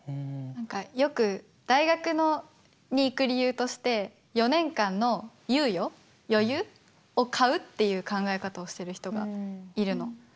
よく大学に行く理由として４年間の猶予余裕を買うっていう考え方をしてる人がいるの。